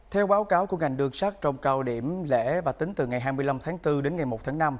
theo báo cáo của ngành đường sắt trong cao điểm lễ và tính từ ngày hai mươi năm tháng bốn đến ngày một tháng năm